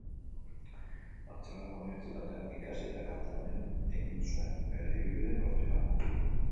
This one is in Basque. Bartzelonako Unibertsitatean ikasi eta Katalunian egin zuen bere ibilbide profesionala.